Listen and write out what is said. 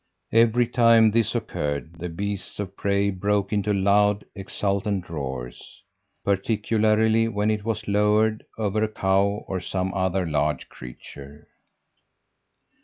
"Every time this occurred the beasts of prey broke into loud, exultant roars particularly when it was lowered over a cow or some other large creature.